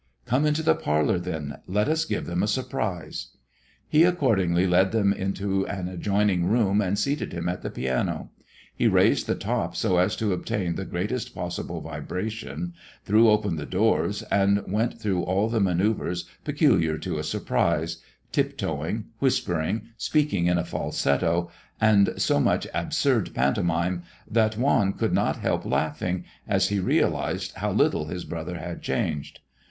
"Come into the parlor, then. Let us give them a surprise." He accordingly led him into an adjoining room and seated him at the piano. He raised the top so as to obtain the greatest possible vibration, threw open the doors, and went through all the manoeuvres peculiar to a surprise, tiptoeing, whispering, speaking in a falsetto, and so much absurd pantomime that Juan could not help laughing as he realized how little his brother had changed.